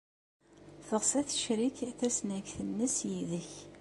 Teɣs ad tecrek tasnagt-nnes yid-k.